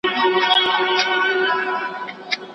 احوال یې کښلی زموږ د ښار دی